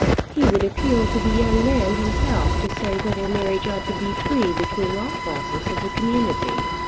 He would appeal to the young man himself to say whether marriage ought to be free between all classes of the community.